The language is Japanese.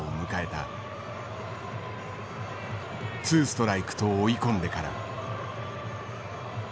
２ストライクと追い込んでから。